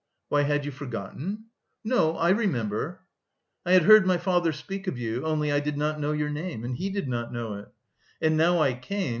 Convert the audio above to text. "Why, had you forgotten?" "No, I remember." "I had heard my father speak of you... only I did not know your name, and he did not know it. And now I came...